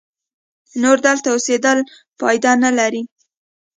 نور دلته اوسېدل پایده نه لري.